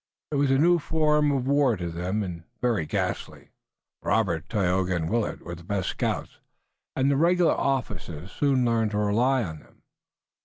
It was a new form of war to them, and very ghastly. Robert, Tayoga and Willet were the best scouts and the regular officers soon learned to rely on them.